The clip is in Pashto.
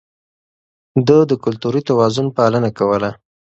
ده د کلتوري توازن پالنه کوله.